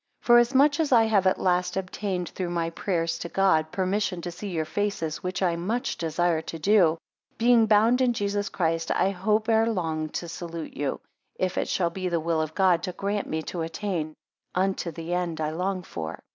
2 Forasmuch as I have at last obtained through my prayers to God, permission to see your faces, which I much desired to do; being bound in Jesus Christ, I hope ere long to salute you, if it shall be the will of God to grant me to attain unto the end I long for.